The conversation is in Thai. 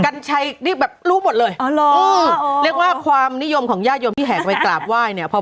กัญชัยนี่แบบรู้หมดเลยอ๋อเหรอเออเรียกว่าความนิยมของญาติโยมที่แหกไปกราบไหว้เนี่ยพอ